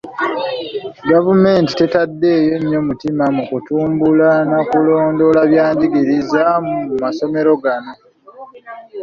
Gavumenti tetaddeeyo nnyo mutima mu kutumbula na kulondoola bya njigiriza mu masomero gano.